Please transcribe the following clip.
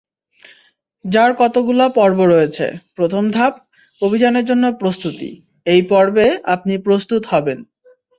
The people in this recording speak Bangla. যার কতগুলো পর্ব রয়েছে—প্রথম ধাপ—অভিযানের জন্য প্রস্তুতিএই পর্বে আপনি প্রস্তুত হবেন।